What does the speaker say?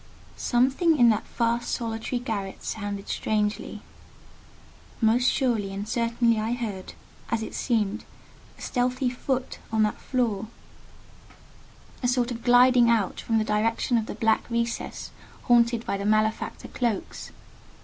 Something in that vast solitary garret sounded strangely. Most surely and certainly I heard, as it seemed, a stealthy foot on that floor: a sort of gliding out from the direction of the black recess haunted by the malefactor cloaks.